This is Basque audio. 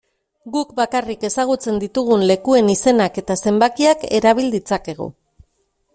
Guk bakarrik ezagutzen ditugun lekuen izenak eta zenbakiak erabil ditzakegu.